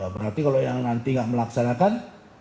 berarti kalau yang nanti nggak melaksanakan